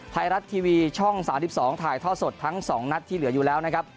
ไทยรัฐทีวีช่อง๓๒ถ่ายท่อสดทั้ง๒นัดที่เหลืออยู่แล้วนะครับ